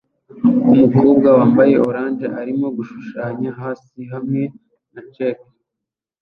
Umukobwa wambaye orange arimo gushushanya hasi hamwe na chalk